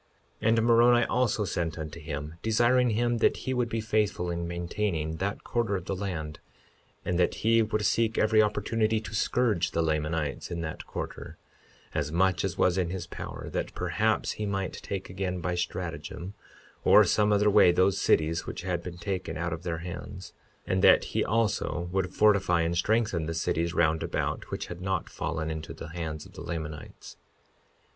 52:10 And Moroni also sent unto him, desiring him that he would be faithful in maintaining that quarter of the land, and that he would seek every opportunity to scourge the Lamanites in that quarter, as much as was in his power, that perhaps he might take again by stratagem or some other way those cities which had been taken out of their hands; and that he also would fortify and strengthen the cities round about, which had not fallen into the hands of the Lamanites.